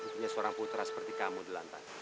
intinya seorang putra seperti kamu di lantai